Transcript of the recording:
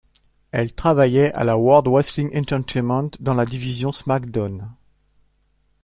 Elles travaillaient à la World Wrestling Entertainment, dans la division SmackDown.